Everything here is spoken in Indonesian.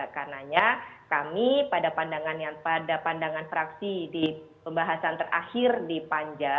karena kami pada pandangan fraksi di pembahasan terakhir di panja